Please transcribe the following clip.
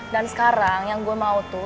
dan sekarang yang gue mau tuh